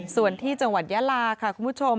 ส่วนที่จังหวัดยาลาค่ะคุณผู้ชม